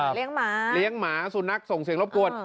เลี้ยงหมาเลี้ยงหมาสุนัขส่งเสียงรบกวน